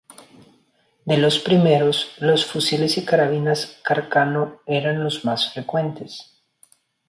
De los primeros, los fusiles y carabinas Carcano eran los más frecuentes.